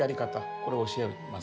これを教えます。